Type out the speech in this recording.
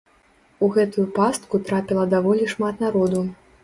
У гэтую пастку трапіла даволі шмат народу.